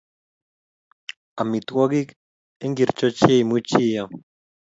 Amitwogik ingircho che imuchi iam